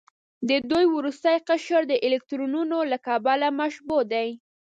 د دوی وروستی قشر د الکترونونو له کبله مشبوع دی.